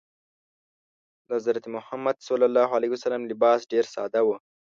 د حضرت محمد ﷺ لباس ډېر ساده و.